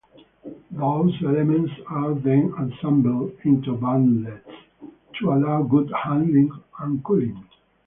Those elements are then assembled into bundles to allow good handling and cooling.